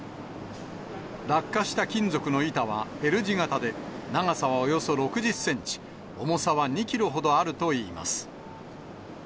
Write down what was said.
落下した金属の板はＬ字型で、長さはおよそ６０センチ、重さは２キロほどあるといいます。